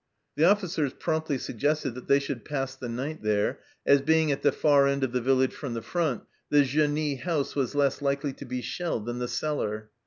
The officers promptly suggested that they should pass the night there, as, being at the far end of the village from the front, the genie house was less likely to be shelled than the cellar.